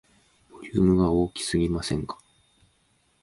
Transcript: ボリュームが大きすぎませんか